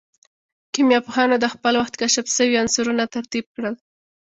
کيميا پوهانو د خپل وخت کشف سوي عنصرونه ترتيب کړل.